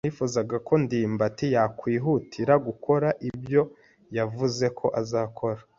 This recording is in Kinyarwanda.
Nifuzaga ko ndimbati yakwihutira gukora ibyo yavuze ko azakora.